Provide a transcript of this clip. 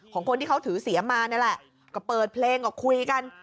ของคนที่เขาถือเสียมมานี่แหละก็เปิดเพลงก็คุยกัน